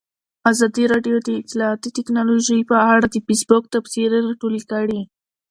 ازادي راډیو د اطلاعاتی تکنالوژي په اړه د فیسبوک تبصرې راټولې کړي.